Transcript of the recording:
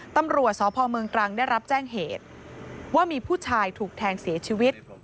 ตำรวจสพเมืองตรังได้รับแจ้งเหตุว่ามีผู้ชายถูกแทงเสียชีวิต